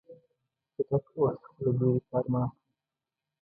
چټک اوسه خو له بیړې کار مه اخله.